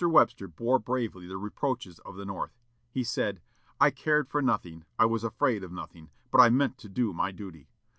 Webster bore bravely the reproaches of the North. He said, "I cared for nothing, I was afraid of nothing, but I meant to do my duty.